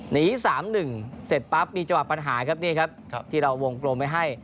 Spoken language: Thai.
หนี๓๑เสร็จปั๊บมีจังหวะปัญหาครับนี่ครับที่เราวงกลมไว้ให้